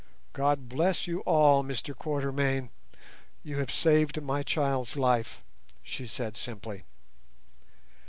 "God bless you all, Mr Quatermain; you have saved my child's life," she said simply.